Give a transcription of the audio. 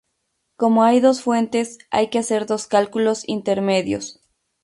Como hay dos fuentes, hay que hacer dos cálculos intermedios.